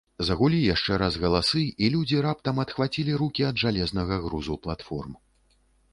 Загулі яшчэ раз галасы, і людзі раптам адхвацілі рукі ад жалезнага грузу платформ.